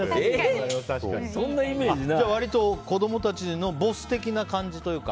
じゃあ、割と子供たちのボス的なイメージというか。